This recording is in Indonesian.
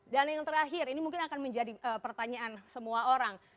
dan yang terakhir ini mungkin akan menjadi pertanyaan semua orang